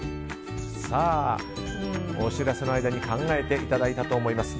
さあ、お知らせの間に考えていただいたと思います。